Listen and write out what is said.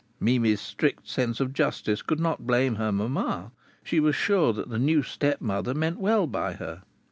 Mimi's strict sense of justice could not blame her mamma. She was sure that the new stepmother meant well by her.